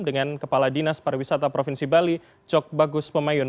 dengan kepala dinas pariwisata provinsi bali cok bagus pemayun